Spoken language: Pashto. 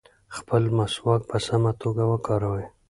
خپل مسواک په سمه توګه وکاروئ.